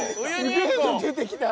すげえの出てきた。